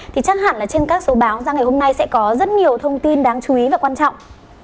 thì chắc hẳn là trên các số báo ra ngày hôm nay sẽ có rất nhiều thông tin đáng chú ý và quan trọng